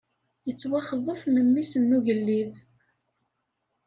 Yettwaxḍef memmi-s n ugellid.